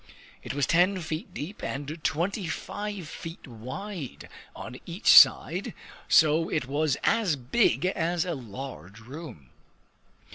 It was ten feet deep and twenty five feet wide on each side; so it was as big as a large room.